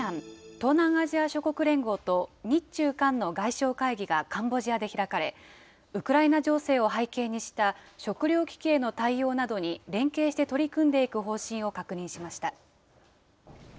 ＡＳＥＡＮ・東南アジア諸国連合と日中韓の外相会議がカンボジアで開かれ、ウクライナ情勢を背景にした食糧危機への対応などに連携して取り組んでいく方針を確認しました。